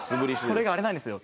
それがあれなんですよ。